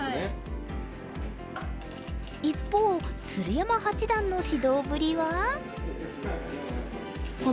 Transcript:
一方鶴山八段の指導ぶりは？